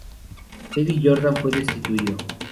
Eddie Jordan fue destituido.